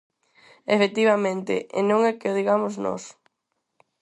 Efectivamente, e non é que o digamos nós.